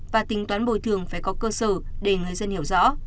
và tính toán bồi thường phải có cơ sở để người dân hiểu rõ